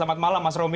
selamat malam mas romi